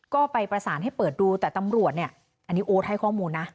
ก็ไปประสานให้เปิดดูแต่ตำรวจเนี่ยอันนี้โอ๊ตให้ข้อมูลนะ